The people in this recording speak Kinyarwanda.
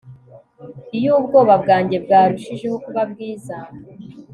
iyo ubwoba bwanjye bwarushijeho kuba bwiza